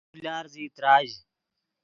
تو لارزیئی تراژ